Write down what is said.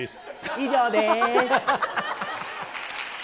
以上です。